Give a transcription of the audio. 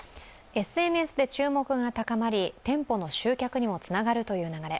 ＳＮＳで注目が高まり店舗の集客にもつながるという流れ。